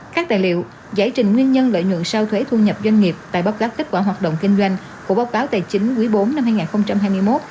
các tài liệu giải trình nguyên nhân lợi nhuận sau thuế thu nhập doanh nghiệp tại báo cáo kết quả hoạt động kinh doanh của báo cáo tài chính quý bốn năm hai nghìn hai mươi một